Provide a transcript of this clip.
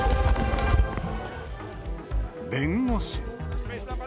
弁護士。